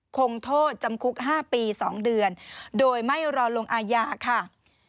คงโทษจำคุก๕ปี๒เดือนโดยไม่รอลงอาญาค่ะ